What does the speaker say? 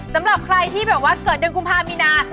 สำหรับใครที่แบบว่าเกิดเดือนกุมภามีนา